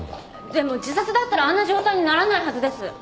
でも自殺だったらあんな状態にならないはずです！